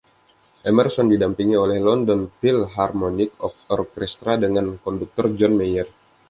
Emerson didampingi oleh London Philharmonic Orchestra, dengan konduktor John Mayer.